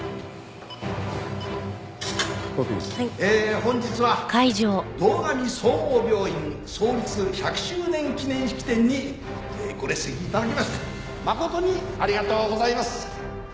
本日は堂上総合病院創立１００周年記念式典にご列席頂きまして誠にありがとうございます。